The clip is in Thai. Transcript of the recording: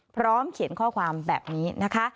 พร้อมเขียนข้อความแบบนี้นะคะ